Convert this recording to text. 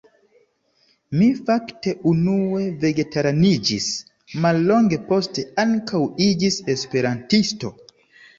Mi fakte unue vegetaraniĝis, mallonge poste ankaŭ iĝis Esperantisto.